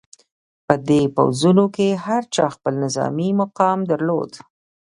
په دې پوځونو کې هر چا خپل نظامي مقام درلود.